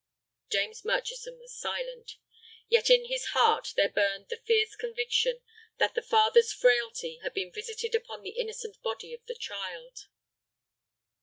James Murchison was silent. Yet in his heart there burned the fierce conviction that the father's frailty had been visited upon the innocent body of the child.